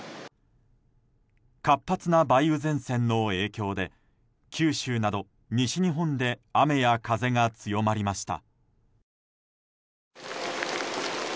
活発な梅雨前線の影響で九州など西日本で雨や風が強まりました。